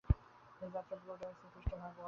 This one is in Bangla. এ যাত্রায়, ব্লু ড্যামসেল ফিশটার ভাগ্য ভালো ছিল।